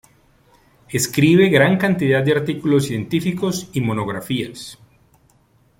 Escribe gran cantidad de artículos científicos y monografías.